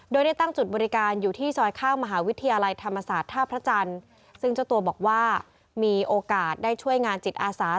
โดยได้ตั้งจุดบริการอยู่ที่ซอยข้างมหาวิทยาลัยธรรมศาสตร์ท่าพระจันทร์